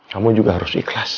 kamu juga harus ikhlas